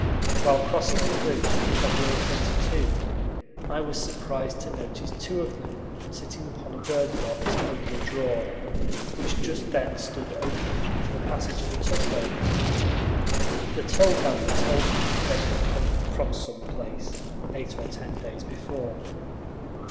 While crossing the bridge, February 22, I was surprised to notice two of them sitting upon a bird box over the draw, which just then stood open for the passage of a tug boat. The toll gatherer told me they had come "from some place" eight or ten days before.